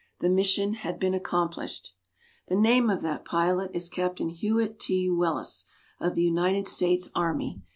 The mission had been accomplished. The name of that pilot is Captain Hewitt T. Wheless, of the United States Army.